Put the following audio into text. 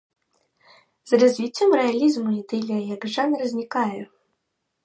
З развіццём рэалізму ідылія як жанр знікае.